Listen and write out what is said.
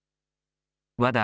ＷＡＤＡ